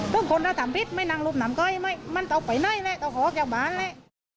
เรื่องคนทำผิดมาให้รูปหน้ากดสมัยเฮ้ยนะต้องไปให้เลยออกออกจากบ้านเลย